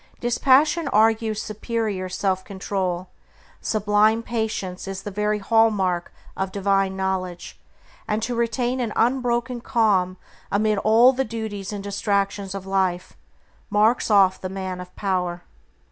Dispassion argues superior self control; sublime patience is the very hall mark of divine knowledge, and to retain an unbroken calm amid all the duties and distractions of life, marks off the man of power.